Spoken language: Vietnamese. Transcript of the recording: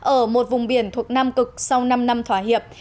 ở một vùng biển thuộc nam cực sau năm năm thỏa hiệp